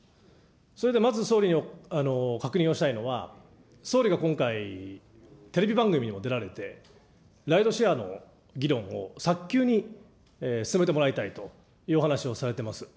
それでまず総理に確認をしたいのが、総理が今回、テレビ番組にも出られてライドシェアの議論を早急に進めてもらいたいというお話をされています。